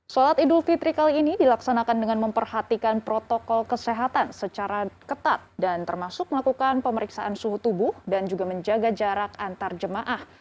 sholat idul fitri kali ini dilaksanakan dengan memperhatikan protokol kesehatan secara ketat dan termasuk melakukan pemeriksaan suhu tubuh dan juga menjaga jarak antar jemaah